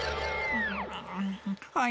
はい。